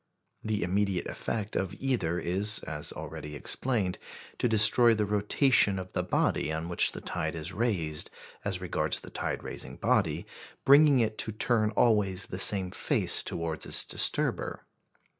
The immediate effect of either is, as already explained, to destroy the rotation of the body on which the tide is raised, as regards the tide raising body, bringing it to turn always the same face towards its disturber.